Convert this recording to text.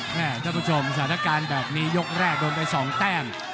ครับท่านผู้ชมจัดการแบบนี้ยกแรกโดนไปสองแต้ง